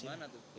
di mana tuh